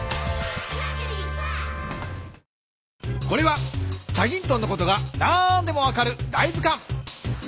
これは『チャギントン』のことが何でも分かるだい